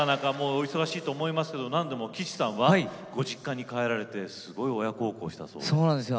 お忙しいと思うんですが何でも岸さんはご実家に帰られてすごい親孝行したそうですね。